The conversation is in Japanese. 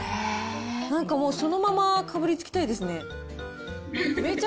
なんかもう、そのままかぶりつきたいですね。